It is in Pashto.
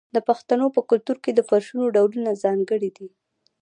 د پښتنو په کلتور کې د فرشونو ډولونه ځانګړي دي.